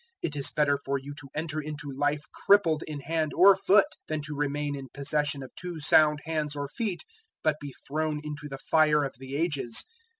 It is better for you to enter into Life crippled in hand or foot than to remain in possession of two sound hands or feet but be thrown into the fire of the Ages.